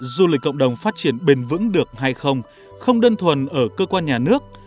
du lịch cộng đồng phát triển bền vững được hay không không đơn thuần ở cơ quan nhà nước